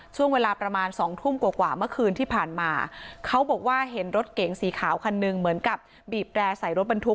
ช่วงเวลาประมาณสองทุ่มกว่ากว่าเมื่อคืนที่ผ่านมาเขาบอกว่าเห็นรถเก๋งสีขาวคันหนึ่งเหมือนกับบีบแร่ใส่รถบรรทุก